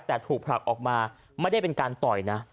แต่ถูกผลักออกมาไม่ได้เป็นการต่อยนะ